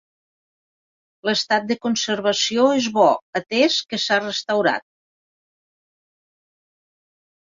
L'estat de conservació és bo, atès que s'ha restaurat.